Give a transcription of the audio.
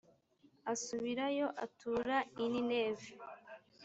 asubirayo atura i nineve